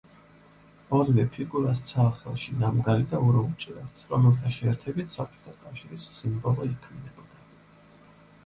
ორივე ფიგურას ცალ ხელში ნამგალი და ურო უჭირავთ, რომელთა შეერთებით საბჭოთა კავშირის სიმბოლო იქმნებოდა.